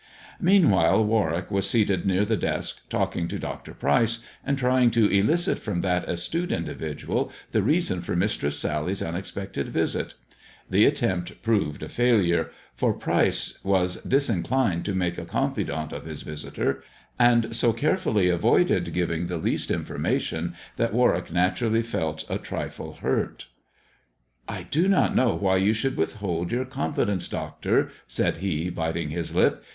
Meanwhile Warwick was seated near the desk, talking to Dr. Pryce, and trying to elicit from that astute indi vidual the reason for Mistress Sally's unexpected visit. ' The attempt proved a failure, for Pryce was disinclined to make a confidant of his visitor, and so carefully avoided X giving the least information that Warwick naturally felt a ■ I trifle hurt. ^5 " T do not know why you should withhold your confi t[ dence, doctor," said he, biting his lip.